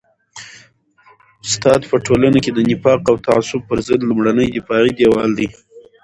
استاد په ټولنه کي د نفاق او تعصب پر ضد لومړنی دفاعي دیوال دی.